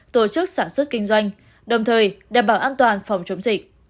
tổ chức sản xuất kinh doanh đồng thời đảm bảo an toàn phòng chống dịch